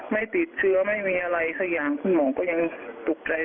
ไม่ติดเชื้อไม่มีอะไรสักอย่างคุณหมอก็ยังตกใจ